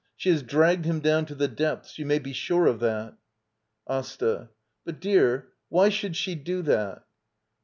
She has dragged him down to the depths — you may be sure of that. AsTA. But, dear, why should she do that?